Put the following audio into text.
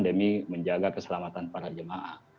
demi menjaga keselamatan para jemaah